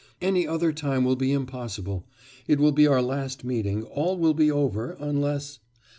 Any other time will be impossible. It will be our last meeting, all will be over, unless...